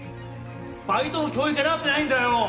バイトの教育がなってないんだよ！